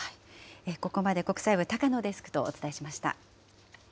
ここまで国際部、高野デスクとお伝えしました。